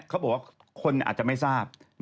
เขาบอกว่าคนอาจจะไม่ทราบ